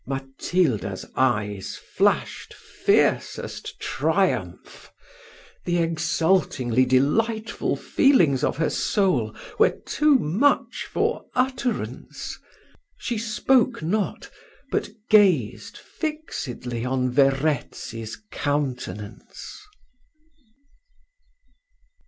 Matilda's eyes flashed fiercest triumph; the exultingly delightful feelings of her soul were too much for utterance she spoke not, but gazed fixedly on Verezzi's countenance.